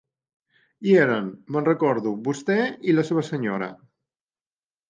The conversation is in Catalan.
Hi eren, me'n recordo, vostè i la seva senyora.